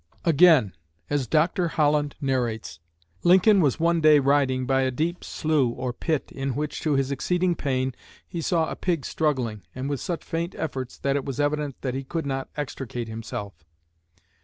'" Again, as Dr. Holland narrates, "Lincoln was one day riding by a deep slough or pit in which, to his exceeding pain, he saw a pig struggling, and with such faint efforts that it was evident that he could not extricate himself.